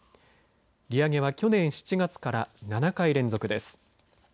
利上げは去年７月から７回連続です。